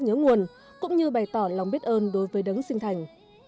nhớ nguồn cũng như bày tỏ lòng biết ơn đối với đấng sinh thành